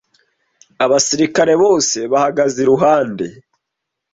Abasirikare bose bahagaze iruhande.